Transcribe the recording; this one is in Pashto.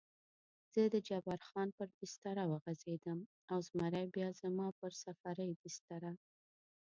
زه د جبار خان پر بستره وغځېدم او زمری بیا زما پر سفرۍ بستره.